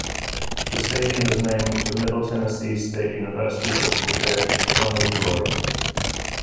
The stadium is named for Middle Tennessee State University football coach Johnny Floyd.